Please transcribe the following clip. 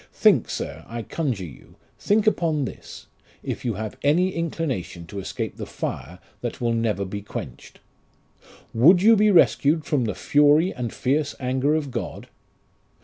Think, sir, I conjure you, think upon this, if you have any inclination to escape the fire that will never he quenched. Would you be rescued from the fury and fierce anger of God?